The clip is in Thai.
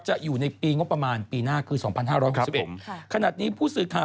จะอยู่ในปีงบประมาณปีหน้าคือ๒๕๖๑ขนาดนี้ผู้สื่อข่าวรายงานเพิ่มเติมด้วยนะฮะ